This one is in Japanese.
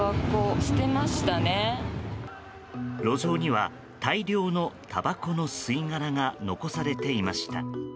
路上には大量のたばこの吸い殻が残されていました。